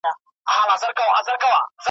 د شته من پر کور یو وخت د غم ناره سوه .